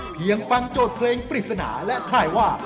ฟังโจทย์เพลงปริศนาและถ่ายว่า